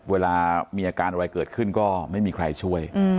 เวลามีอาการอะไรเกิดขึ้นก็ไม่มีใครช่วย